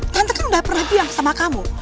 tante kan udah pernah bilang sama kamu